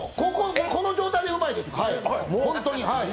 この状態でうまいです。